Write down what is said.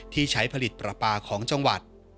ที่ใช้ผลิตปลาปลาของจังหวัด